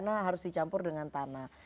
ini juga bisa dicampur dengan tanah